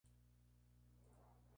Más adelante el "Ojo de Ra".